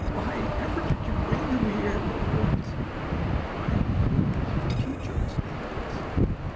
"Why ever did you bring them here, little ones?" "Why, we want them for teacher," explained Alice.